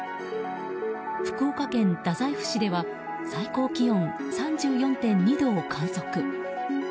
福岡県太宰府市では最高気温３４．２度を観測。